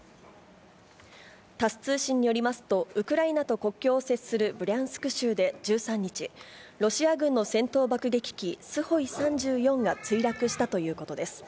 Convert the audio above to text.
タス通信によりますと、ウクライナと国境を接するブリャンスク州で１３日、ロシア軍の戦闘爆撃機、スホイ３４が墜落したということです。